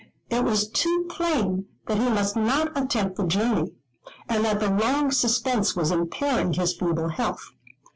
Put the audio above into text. It was too plain that he must not attempt the journey, and that the long suspense was impairing his feeble health.